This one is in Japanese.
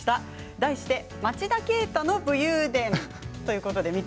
題して町田啓太の武勇伝です。